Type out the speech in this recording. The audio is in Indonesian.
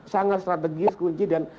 sangat strategis kunci dan